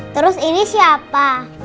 terus ini siapa